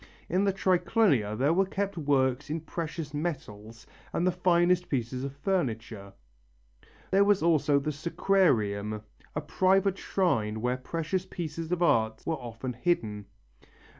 In the Triclinia there were kept works in precious metals and the finest pieces of furniture. There was also the Sacrarium, a private shrine where precious pieces of art were often hidden.